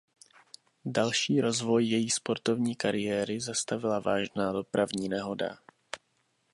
Další rozvoj její sportovní kariéry zastavila vážná dopravní nehoda.